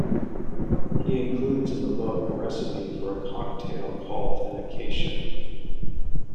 He includes in the book a recipe for a cocktail called an "Acacia".